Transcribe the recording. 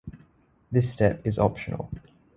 This step is optional.